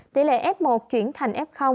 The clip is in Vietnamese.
tỷ lệ f một chuyển thành f